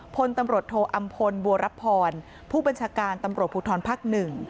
พลตำรวจโทอำพลบัวรับพรผู้บัญชาการตำรวจภูทรภักดิ์๑